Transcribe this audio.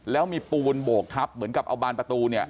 แล้วมีปูนโบกทับเหมือนกับเอาบานประตูเนี่ย